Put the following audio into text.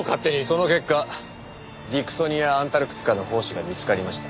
その結果ディクソニア・アンタルクティカの胞子が見つかりました。